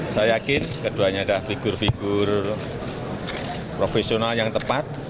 saya yakin keduanya adalah figur figur profesional yang tepat